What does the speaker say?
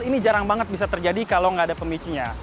ini jarang banget bisa terjadi kalau nggak ada pemicunya